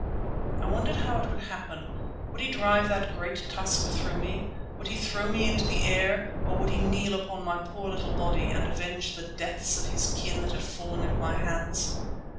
I wondered how it would happen. Would he drive that great tusk through me, would he throw me into the air, or would he kneel upon my poor little body, and avenge the deaths of his kin that had fallen at my hands?